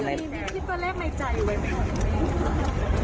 มีที่ตัวเลขในใจเลยค่ะ